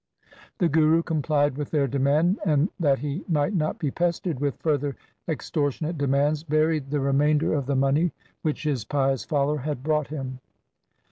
The Guru complied with their demand and, that he might not be pestered with further extortionate demands, buried the remainder 218 THE SIKH RELIGION of the money which his pious follower had brought him.